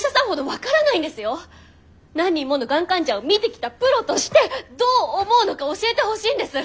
何人ものがん患者を診てきたプロとしてどう思うのか教えてほしいんです！